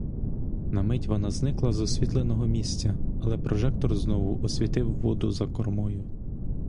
На мить вона зникла з освітленого місця, але прожектор знову освітив воду за кормою.